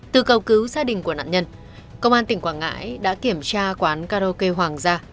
từ cầu cứu gia đình của nạn nhân công an tỉnh quảng ngãi đã kiểm tra quán karaoke hoàng gia